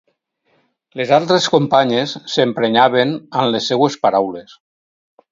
Les altres companyes s'emprenyaven amb les seues paraules.